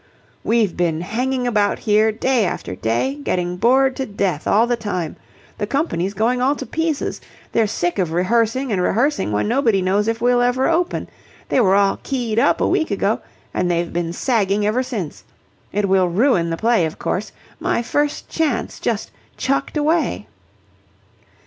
"We've been hanging about here day after day, getting bored to death all the time... The company's going all to pieces. They're sick of rehearsing and rehearsing when nobody knows if we'll ever open. They were all keyed up a week ago, and they've been sagging ever since. It will ruin the play, of course. My first chance! Just chucked away."